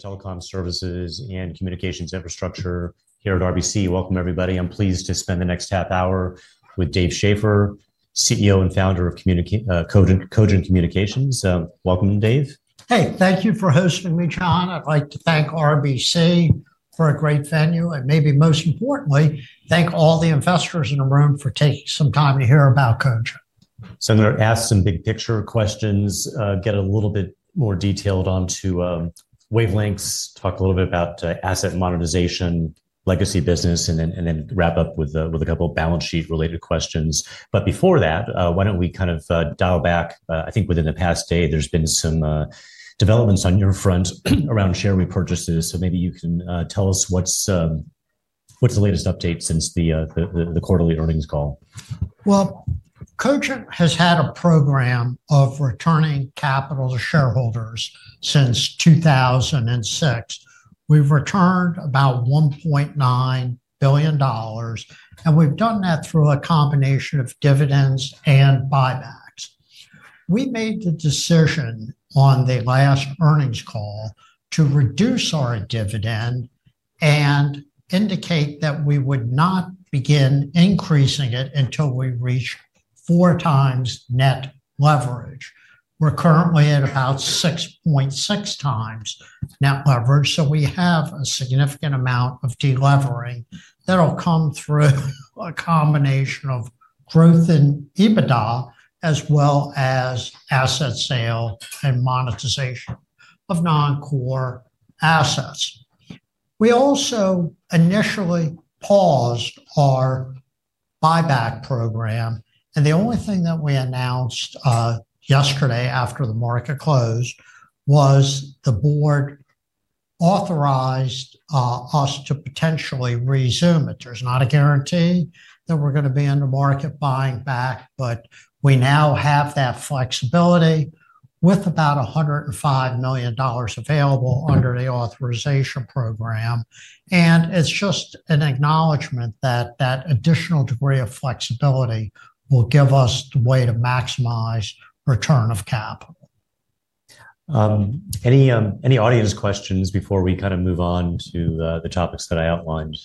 For telecom services and communications infrastructure here at RBC. Welcome, everybody. I'm pleased to spend the next half hour with Dave Schaeffer, CEO and founder of Cogent Communications. Welcome, Dave. Hey, thank you for hosting me, John. I'd like to thank RBC for a great venue, and maybe most importantly, thank all the investors in the room for taking some time to hear about Cogent. I'm going to ask some big picture questions, get a little bit more detailed onto wavelengths, talk a little bit about asset modernization, legacy business, and then wrap up with a couple of balance sheet-related questions. Before that, why don't we kind of dial back? I think within the past day, there's been some developments on your front around share repurchases. Maybe you can tell us what's the latest update since the quarterly earnings call. Well, Cogent has had a program of returning capital to shareholders since 2006. We've returned about $1.9 billion, and we've done that through a combination of dividends and buybacks. We made the decision on the last earnings call to reduce our dividend and indicate that we would not begin increasing it until we reach four times net leverage. We're currently at about 6.6 times net leverage, so we have a significant amount of delevering that'll come through a combination of growth in EBITDA as well as asset sale and monetization of non-core assets. We also initially paused our buyback program, and the only thing that we announced yesterday after the market closed was the board authorized us to potentially resume it. There's not a guarantee that we're going to be in the market buying back, but we now have that flexibility with about $105 million available under the authorization program. It is just an acknowledgment that that additional degree of flexibility will give us the way to maximize return of capital. Any audience questions before we kind of move on to the topics that I outlined?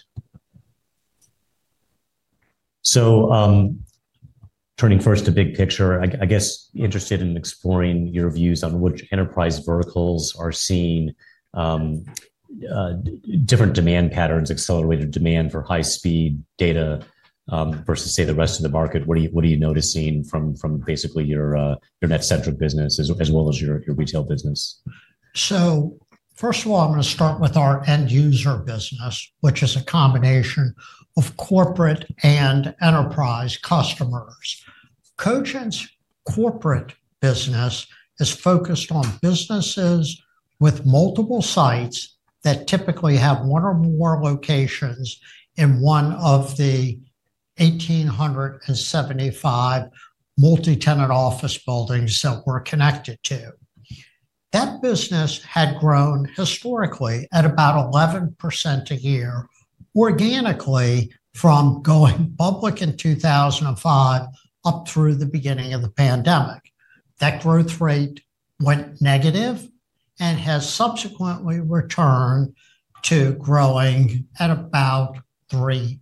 Turning first to big picture, I guess interested in exploring your views on which enterprise verticals are seeing different demand patterns, accelerated demand for high-speed data versus, say, the rest of the market. What are you noticing from basically your net central business as well as your retail business? First of all, I'm going to start with our end user business, which is a combination of corporate and enterprise customers. Cogent's corporate business is focused on businesses with multiple sites that typically have one or more locations in one of the 1,875 multi-tenant office buildings that we're connected to. That business had grown historically at about 11% a year organically from going public in 2005 up through the beginning of the pandemic. That growth rate went negative and has subsequently returned to growing at about 3%.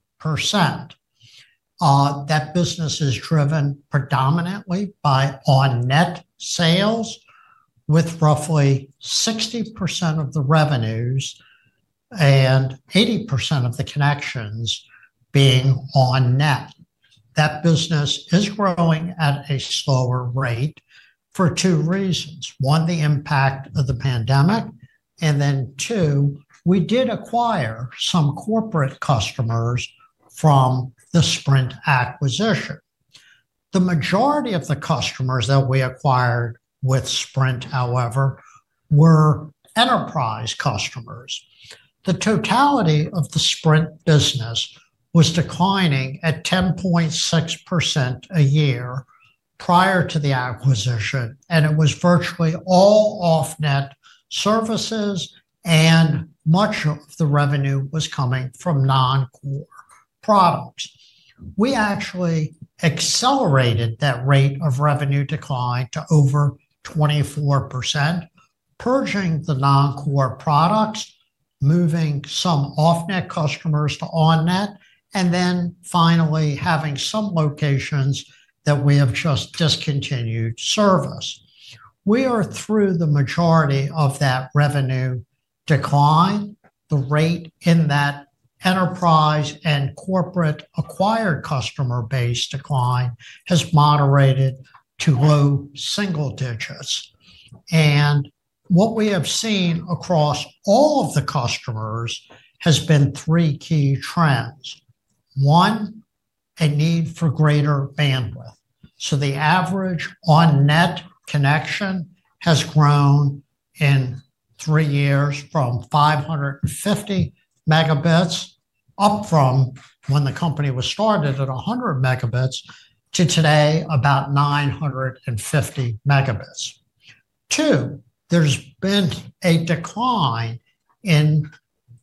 That business is driven predominantly by on-net sales, with roughly 60% of the revenues and 80% of the connections being on net. That business is growing at a slower rate for two reasons: one, the impact of the pandemic, and two, we did acquire some corporate customers from the Sprint acquisition. The majority of the customers that we acquired with Sprint, however, were enterprise customers. The totality of the Sprint business was declining at 10.6% a year prior to the acquisition, and it was virtually all off-net services, and much of the revenue was coming from non-core products. We actually accelerated that rate of revenue decline to over 24%, purging the non-core products, moving some off-net customers to on-net, and then finally having some locations that we have just discontinued service. We are through the majority of that revenue decline. The rate in that enterprise and corporate acquired customer base decline has moderated to low single digits. What we have seen across all of the customers has been three key trends. One, a need for greater bandwidth. The average on-net connection has grown in three years from 550 Mb up from when the company was started at 100 Mb to today about 950 Mb. Two, there's been a decline in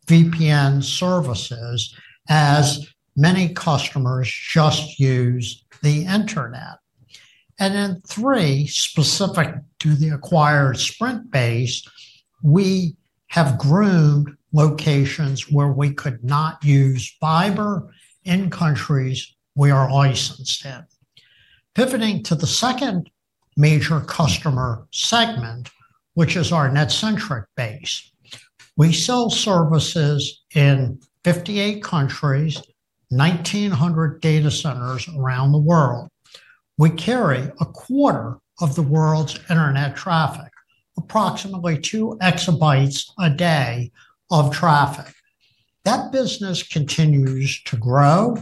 VPN services as many customers just use the internet. Three, specific to the acquired Sprint base, we have groomed locations where we could not use fiber in countries we are licensed in. Pivoting to the second major customer segment, which is our net-centric base, we sell services in 58 countries, 1,900 data centers around the world. We carry a quarter of the world's internet traffic, approximately 2 EB a day of traffic. That business continues to grow.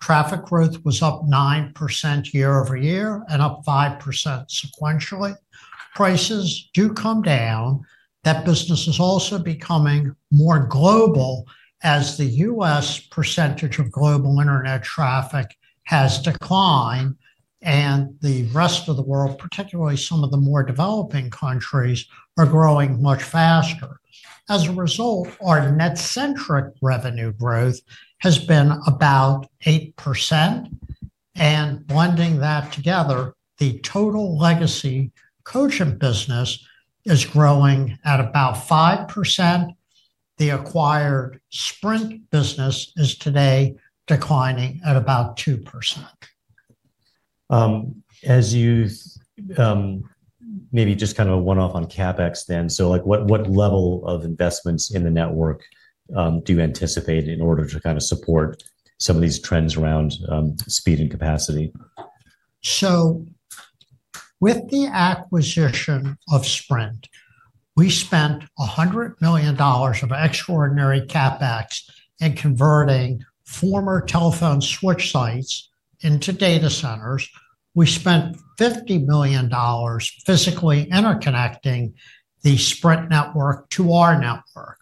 Traffic growth was up 9% year-over-year and up 5% sequentially. Prices do come down. That business is also becoming more global as the U.S. percentage of global internet traffic has declined, and the rest of the world, particularly some of the more developing countries, are growing much faster. As a result, our net-centric revenue growth has been about 8%. Blending that together, the total legacy Cogent business is growing at about 5%. The acquired Sprint business is today declining at about 2%. As you maybe just kind of one-off on CapEx then, so what level of investments in the network do you anticipate in order to kind of support some of these trends around speed and capacity? With the acquisition of Sprint, we spent $100 million of extraordinary CapEx in converting former telephone switch sites into data centers. We spent $50 million physically interconnecting the Sprint network to our network.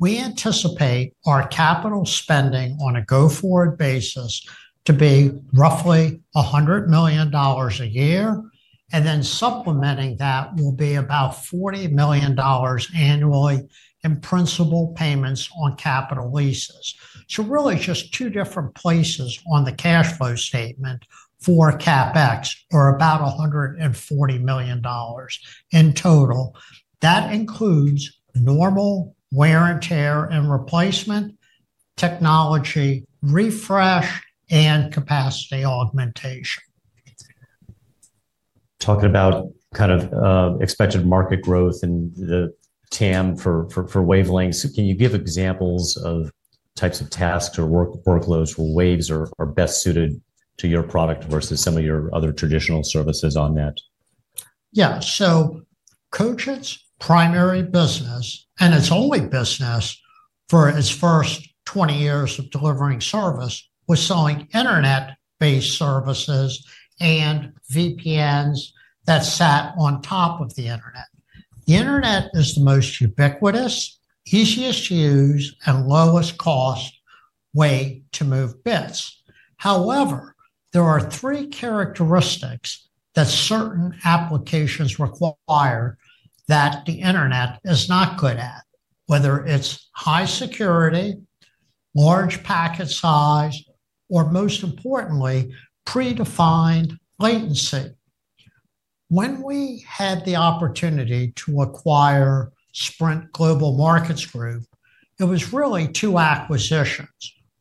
We anticipate our capital spending on a go-forward basis to be roughly $100 million a year, and then supplementing that will be about $40 million annually in principal payments on capital leases. Really just two different places on the cash flow statement for CapEx are about $140 million in total. That includes normal wear and tear and replacement technology refresh and capacity augmentation. Talking about kind of expected market growth and the TAM for wavelengths, can you give examples of types of tasks or workloads where waves are best suited to your product versus some of your other traditional services on net? Yeah. Cogent's primary business, and its only business for its first 20 years of delivering service, was selling internet-based services and VPNs that sat on top of the internet. The internet is the most ubiquitous, easiest to use, and lowest cost way to move bits. However, there are three characteristics that certain applications require that the internet is not good at, whether it's high security, large packet size, or most importantly, predefined latency. When we had the opportunity to acquire Sprint Global Markets Group, it was really two acquisitions.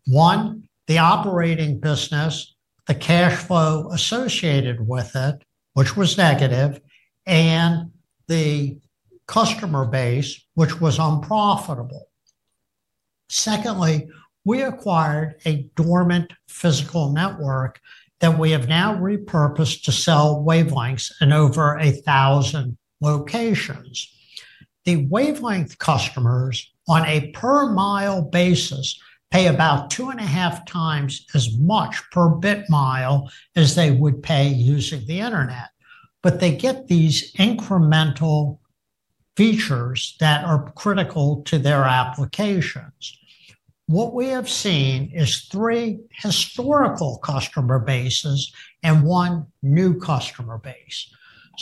One, the operating business, the cash flow associated with it, which was negative, and the customer base, which was unprofitable. Secondly, we acquired a dormant physical network that we have now repurposed to sell wavelengths in over 1,000 locations. The wavelength customers, on a per-mile basis, pay about two and a half times as much per bit mile as they would pay using the Internet, but they get these incremental features that are critical to their applications. What we have seen is three historical customer bases and one new customer base.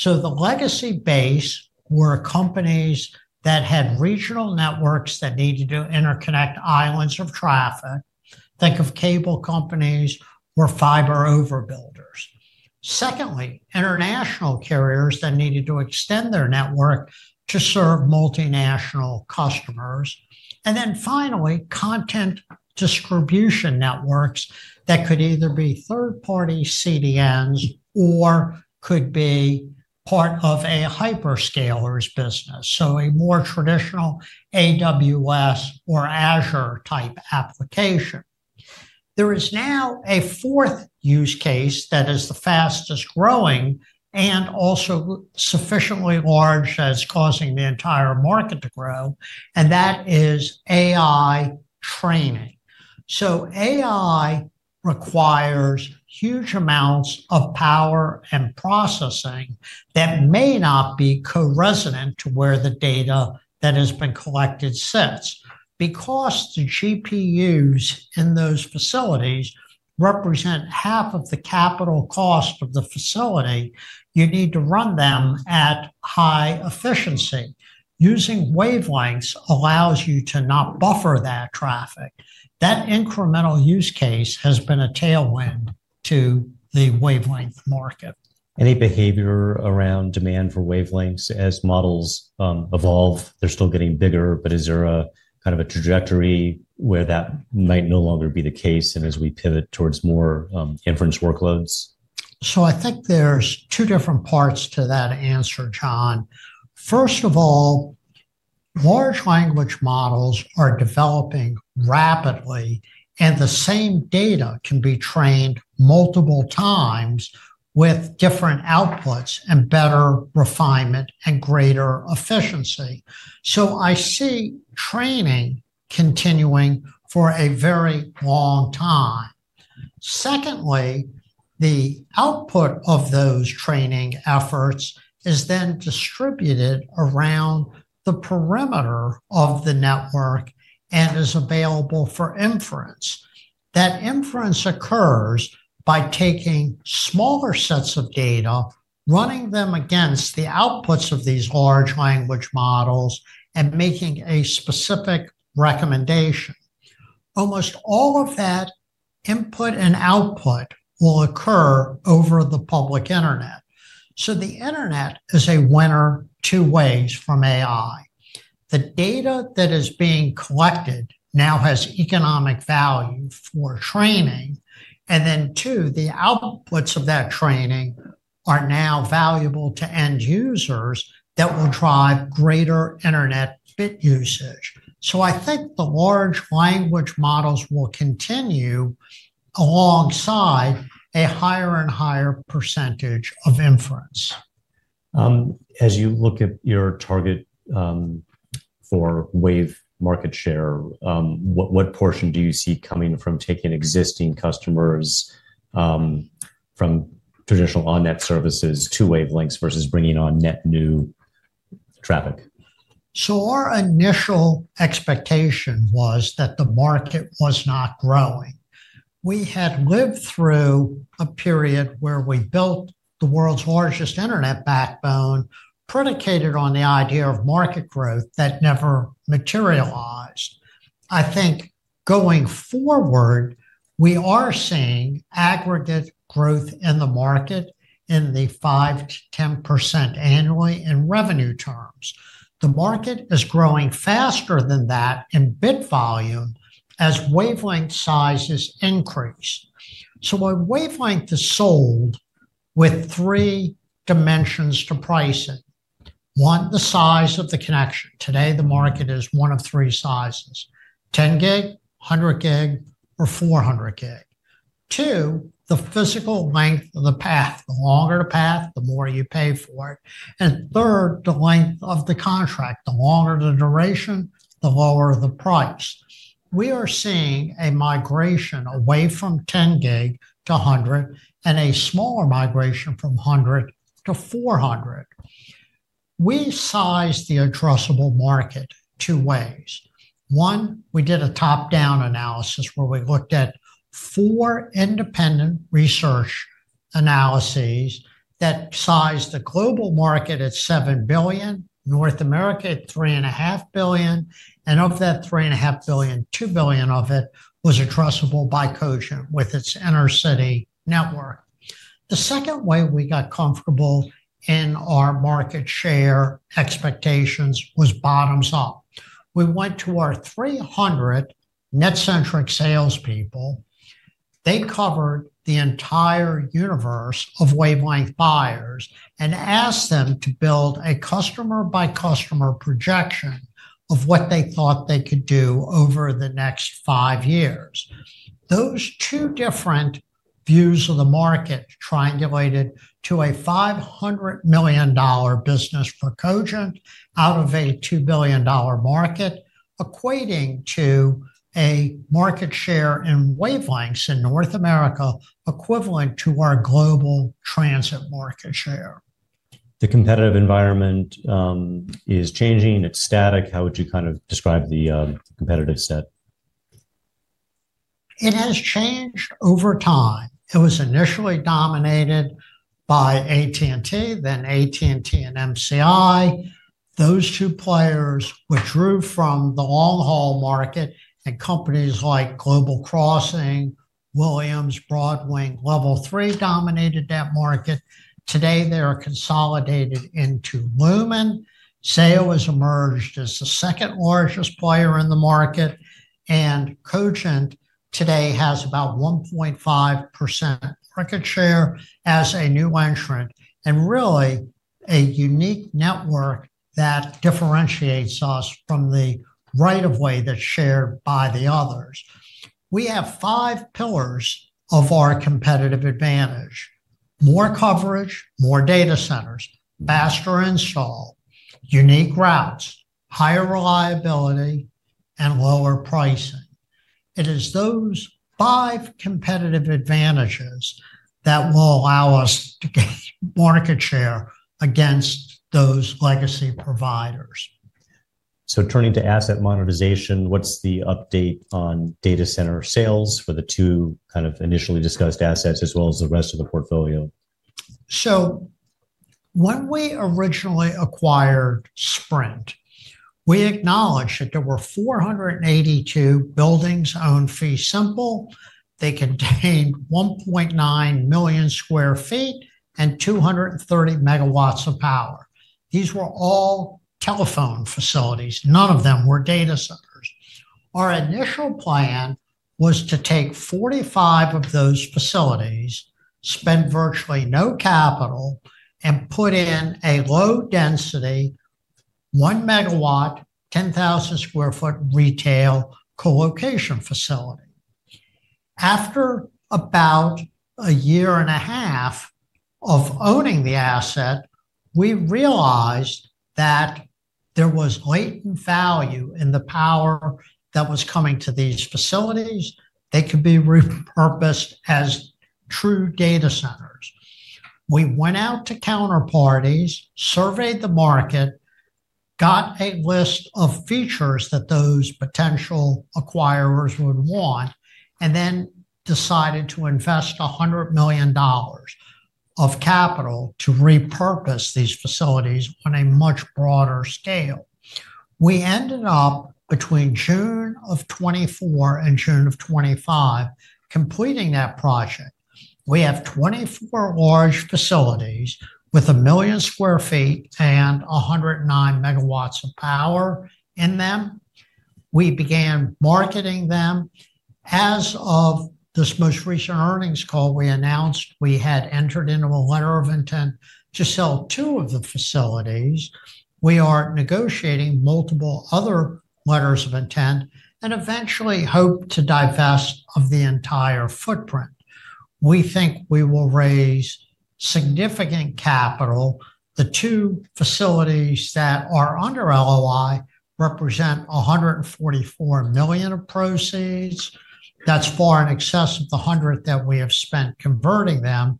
The legacy base were companies that had regional networks that needed to interconnect islands of traffic. Think of cable companies or fiber overbuilders. Secondly, international carriers that needed to extend their network to serve multinational customers. Finally, content distribution networks that could either be third-party CDNs or could be part of a hyperscaler's business, a more traditional AWS or Azure-type application. There is now a fourth use case that is the fastest growing and also sufficiently large that is causing the entire market to grow, and that is AI training. AI requires huge amounts of power and processing that may not be co-resident to where the data that has been collected sits. Because the GPUs in those facilities represent half of the capital cost of the facility, you need to run them at high efficiency. Using wavelengths allows you to not buffer that traffic. That incremental use case has been a tailwind to the wavelength market. Any behavior around demand for wavelengths as models evolve? They're still getting bigger, but is there a kind of a trajectory where that might no longer be the case and as we pivot towards more inference workloads? I think there's two different parts to that answer, John. First of all, large language models are developing rapidly, and the same data can be trained multiple times with different outputs and better refinement and greater efficiency. I see training continuing for a very long time. Secondly, the output of those training efforts is then distributed around the perimeter of the network and is available for inference. That inference occurs by taking smaller sets of data, running them against the outputs of these large language models, and making a specific recommendation. Almost all of that input and output will occur over the public internet. The internet is a winner two ways from AI. The data that is being collected now has economic value for training, and then two, the outputs of that training are now valuable to end users that will drive greater internet bit usage. I think the large language models will continue alongside a higher and higher percentage of inference. As you look at your target for wave market share, what portion do you see coming from taking existing customers from traditional on-net services to wavelengths versus bringing on net new traffic? Our initial expectation was that the market was not growing. We had lived through a period where we built the world's largest internet backbone predicated on the idea of market growth that never materialized. I think going forward, we are seeing aggregate growth in the market in the 5%-10% annually in revenue terms. The market is growing faster than that in bit volume as wavelength sizes increase. A wavelength is sold with three dimensions to price it. One, the size of the connection. Today, the market is one of three sizes: 10 gig, 100 gig, or 400 gig. Two, the physical length of the path. The longer the path, the more you pay for it. Third, the length of the contract. The longer the duration, the lower the price. We are seeing a migration away from 10 gig to 100 and a smaller migration from 100 to 400. We sized the addressable market two ways. One, we did a top-down analysis where we looked at four independent research analyses that sized the global market at $7 billion, North America at $3.5 billion, and of that $3.5 billion, $2 billion of it was addressable by Cogent with its inner city network. The second way we got comfortable in our market share expectations was bottoms up. We went to our 300 net-centric salespeople. They covered the entire universe of wavelength buyers and asked them to build a customer-by-customer projection of what they thought they could do over the next five years. Those two different views of the market triangulated to a $500 million business for Cogent out of a $2 billion market, equating to a market share in wavelengths in North America equivalent to our global transit market share. The competitive environment is changing. It's static. How would you kind of describe the competitive set? It has changed over time. It was initially dominated by AT&T, then AT&T and MCI. Those two players withdrew from the long-haul market, and companies like Global Crossing, Williams, Broadwing, level three dominated that market. Today, they are consolidated into Lumen. Zayo has emerged as the second largest player in the market, and Cogent today has about 1.5% market share as a new entrant and really a unique network that differentiates us from the right of way that's shared by the others. We have five pillars of our competitive advantage: more coverage, more data centers, faster install, unique routes, higher reliability, and lower pricing. It is those five competitive advantages that will allow us to get market share against those legacy providers. Turning to asset monetization, what's the update on data center sales for the two kind of initially discussed assets as well as the rest of the portfolio? When we originally acquired Sprint, we acknowledged that there were 482 buildings owned fee simple. They contained 1.9 million sq ft and 230 MW of power. These were all telephone facilities. None of them were data centers. Our initial plan was to take 45 of those facilities, spend virtually no capital, and put in a low-density 1 megawatt, 10,000 sq ft retail co-location facility. After about a year and a half of owning the asset, we realized that there was latent value in the power that was coming to these facilities. They could be repurposed as true data centers. We went out to counterparties, surveyed the market, got a list of features that those potential acquirers would want, and then decided to invest $100 million of capital to repurpose these facilities on a much broader scale. We ended up between June of 2024 and June of 2025 completing that project. We have 24 large facilities with 1 million sq ft and 109 MW of power in them. We began marketing them. As of this most recent earnings call, we announced we had entered into a letter of intent to sell two of the facilities. We are negotiating multiple other letters of intent and eventually hope to divest of the entire footprint. We think we will raise significant capital. The two facilities that are under LOI represent $144 million of proceeds. That's far in excess of the $100 million that we have spent converting them,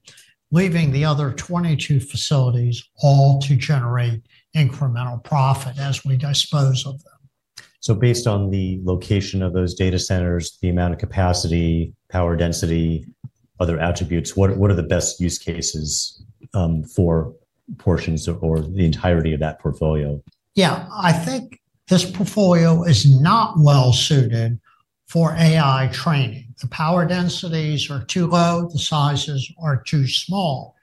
leaving the other 22 facilities all to generate incremental profit as we dispose of them. Based on the location of those data centers, the amount of capacity, power density, other attributes, what are the best use cases for portions or the entirety of that portfolio? Yeah, I think this portfolio is not well suited for AI training. The power densities are too low. The sizes are too small.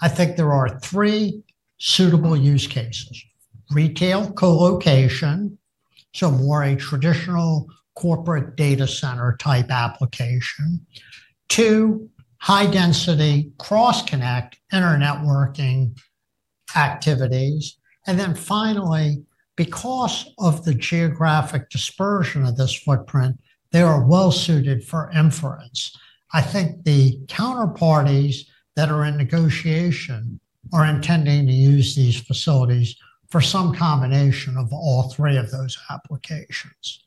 I think there are three suitable use cases: retail colocation, so more a traditional corporate data center type application; two, high-density cross-connect inter-networking activities; and then finally, because of the geographic dispersion of this footprint, they are well suited for inference. I think the counterparties that are in negotiation are intending to use these facilities for some combination of all three of those applications.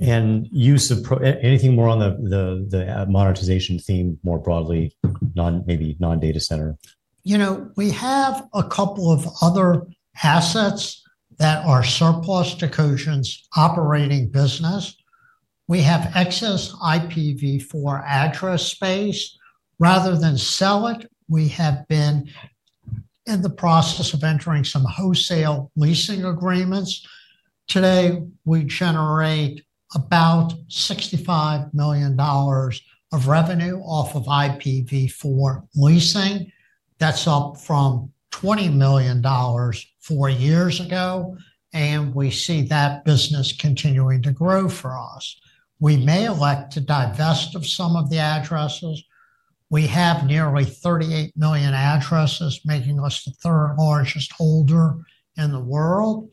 Anything more on the monetization theme more broadly, maybe non-data center? You know, we have a couple of other assets that are surplus to Cogent's operating business. We have excess IPv4 address space. Rather than sell it, we have been in the process of entering some wholesale leasing agreements. Today, we generate about $65 million of revenue off of IPv4 leasing. That's up from $20 million four years ago, and we see that business continuing to grow for us. We may elect to divest of some of the addresses. We have nearly 38 million addresses, making us the third largest holder in the world.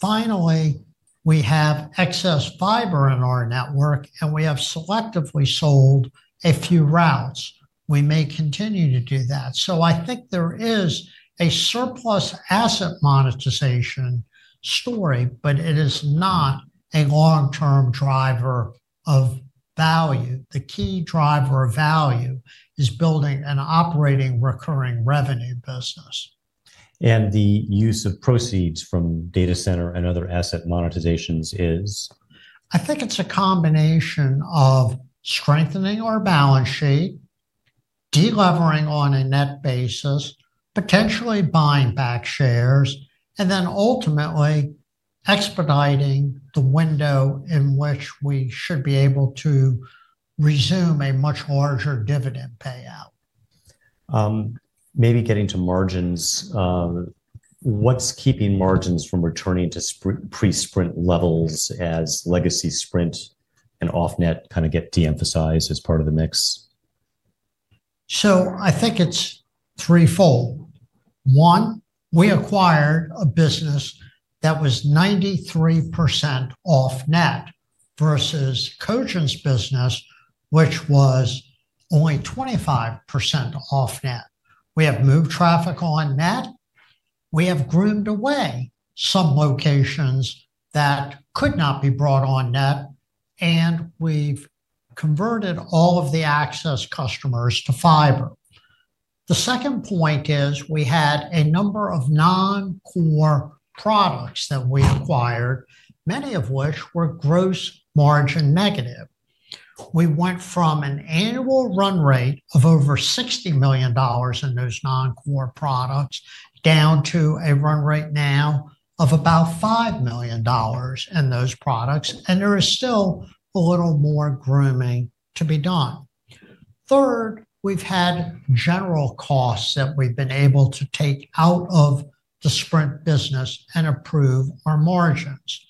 Finally, we have excess fiber in our network, and we have selectively sold a few routes. We may continue to do that. I think there is a surplus asset monetization story, but it is not a long-term driver of value. The key driver of value is building an operating recurring revenue business. The use of proceeds from data center and other asset monetizations is? I think it's a combination of strengthening our balance sheet, delivering on a net basis, potentially buying back shares, and then ultimately expediting the window in which we should be able to resume a much larger dividend payout. Maybe getting to margins. What's keeping margins from returning to pre-Sprint levels as legacy Sprint and off-net kind of get de-emphasized as part of the mix? I think it's threefold. One, we acquired a business that was 93% off-net versus Cogent's business, which was only 25% off-net. We have moved traffic on net. We have groomed away some locations that could not be brought on net, and we've converted all of the access customers to fiber. The second point is we had a number of non-core products that we acquired, many of which were gross margin negative. We went from an annual run rate of over $60 million in those non-core products down to a run rate now of about $5 million in those products, and there is still a little more grooming to be done. Third, we've had general costs that we've been able to take out of the Sprint business and improve our margins.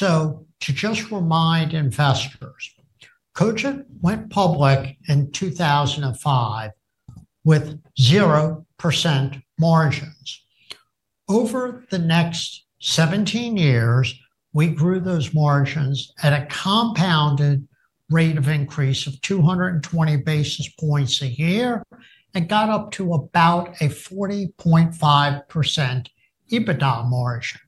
To just remind investors, Cogent went public in 2005 with 0% margins. Over the next 17 years, we grew those margins at a compounded rate of increase of 220 basis points a year and got up to about a 40.5% EBITDA margin.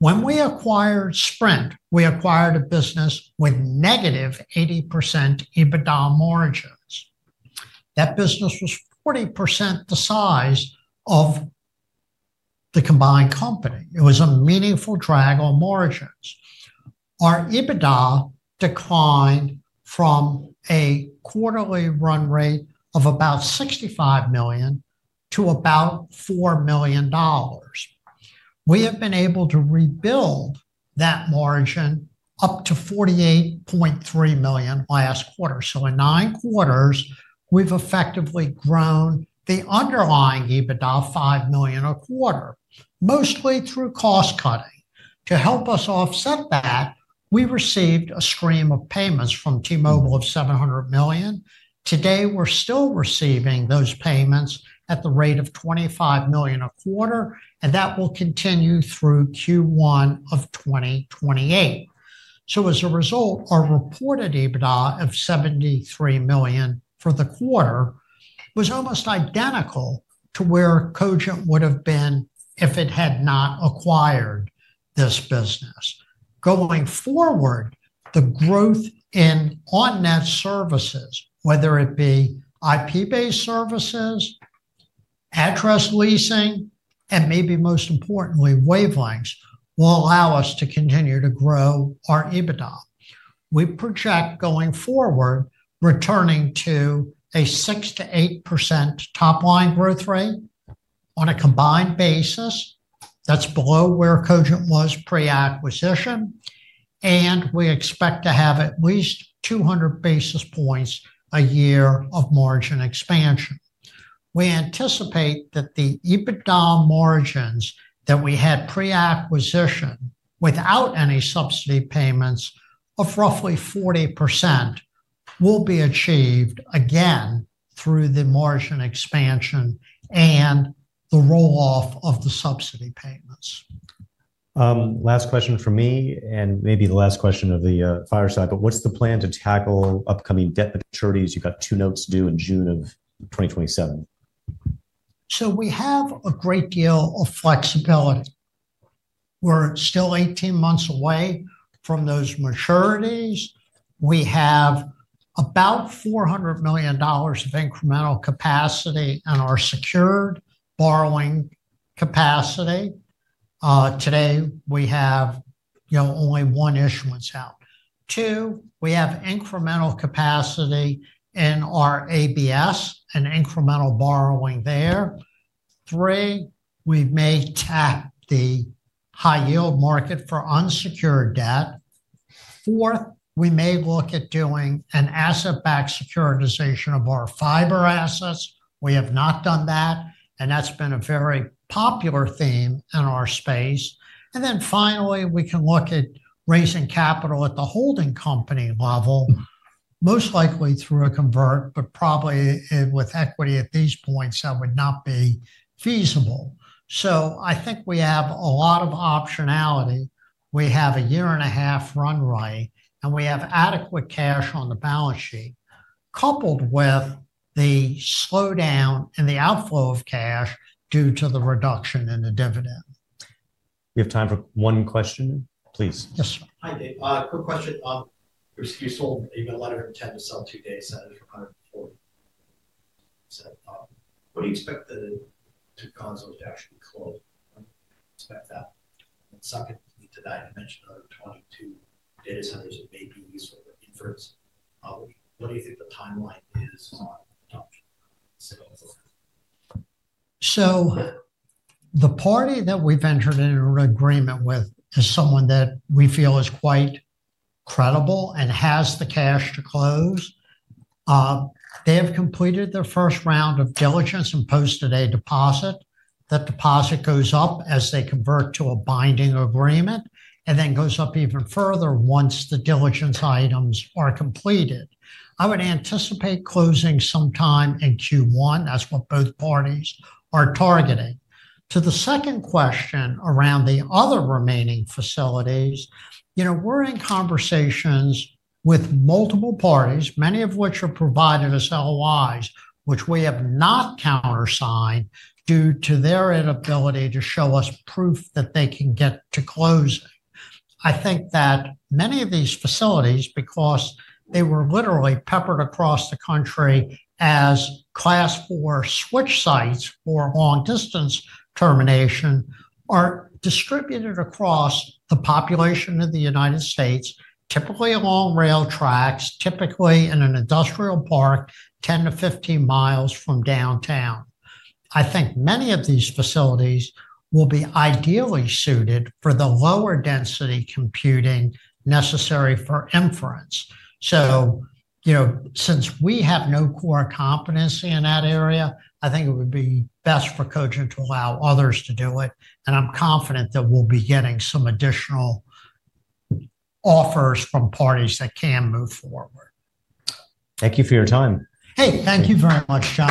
When we acquired Sprint, we acquired a business with negative 80% EBITDA margins. That business was 40% the size of the combined company. It was a meaningful drag on margins. Our EBITDA declined from a quarterly run rate of about $65 million to about $4 million. We have been able to rebuild that margin up to $48.3 million last quarter. In nine quarters, we've effectively grown the underlying EBITDA $5 million a quarter, mostly through cost cutting. To help us offset that, we received a stream of payments from T-Mobile of $700 million. Today, we're still receiving those payments at the rate of $25 million a quarter, and that will continue through Q1 of 2028. As a result, our reported EBITDA of $73 million for the quarter was almost identical to where Cogent would have been if it had not acquired this business. Going forward, the growth in on-net services, whether it be IP-based services, address leasing, and maybe most importantly, wavelengths, will allow us to continue to grow our EBITDA. We project going forward returning to a 6%-8% top-line growth rate on a combined basis. That is below where Cogent was pre-acquisition, and we expect to have at least 200 basis points a year of margin expansion. We anticipate that the EBITDA margins that we had pre-acquisition without any subsidy payments of roughly 40% will be achieved again through the margin expansion and the roll-off of the subsidy payments. Last question from me, and maybe the last question of the fireside, but what's the plan to tackle upcoming debt maturities? You've got two notes due in June of 2027. We have a great deal of flexibility. We're still 18 months away from those maturities. We have about $400 million of incremental capacity in our secured borrowing capacity. Today, we have only one issuance out. Two, we have incremental capacity in our ABS and incremental borrowing there. Three, we may tap the high-yield market for unsecured debt. Fourth, we may look at doing an asset-backed securitization of our fiber assets. We have not done that, and that's been a very popular theme in our space. Finally, we can look at raising capital at the holding company level, most likely through a convert, but probably with equity at these points that would not be feasible. So I think we have a lot of optionality. We have a year and a half runway, and we have adequate cash on the balance sheet, coupled with the slowdown in the outflow of cash due to the reduction in the dividend. We have time for one question, please. Yes, sir. Hi, David. Quick question. You sold, even a letter of intent to sell, two data centers for $140 million. What do you expect the two closings to actually close? Expect that? Second to that, you mentioned another 22 data centers that may be useful for inference. What do you think the timeline is on adoption? The party that we've entered into an agreement with is someone that we feel is quite credible and has the cash to close. They have completed their first round of diligence and posted a deposit. That deposit goes up as they convert to a binding agreement and then goes up even further once the diligence items are completed. I would anticipate closing sometime in Q1. That's what both parties are targeting. To the second question around the other remaining facilities, you know, we're in conversations with multiple parties, many of which have provided LOIs, which we have not countersigned due to their inability to show us proof that they can get to closing. I think that many of these facilities, because they were literally peppered across the country as class four switch sites for long-distance termination, are distributed across the population of the United States, typically along rail tracks, typically in an industrial park 10-15 miles from downtown. I think many of these facilities will be ideally suited for the lower density computing necessary for inference. So, you know, since we have no core competency in that area, I think it would be best for Cogent to allow others to do it, and I'm confident that we'll be getting some additional offers from parties that can move forward. Thank you for your time. Hey, thank you very much, John.